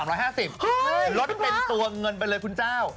ลดเป็นตัวเงินไปเลยคุณเจ้า